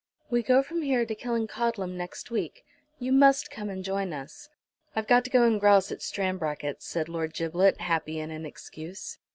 "We go from here to Killancodlem next week. You must come and join us." "I've got to go and grouse at Stranbracket's," said Lord Giblet, happy in an excuse.